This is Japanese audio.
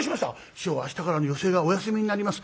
「師匠明日から寄席がお休みになります」。